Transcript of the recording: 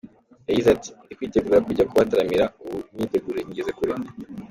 Yagize ati “Ndi kwitegura kujya kubataramira, ubu imyiteguro nyigeze kure.